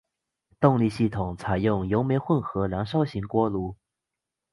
动力系统采用油煤混合燃烧型锅炉。